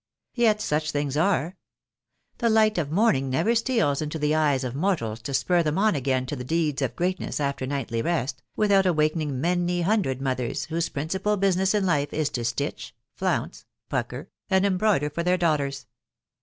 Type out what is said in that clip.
Yet such things ate: the light of morning never steals into the eyes of mortals to spur them on again to deeds of greatness after nightly rest, without awakening many hundred mothers whose principal busi ness in life is to stitch, flounce, pucker, and embroider for their daughters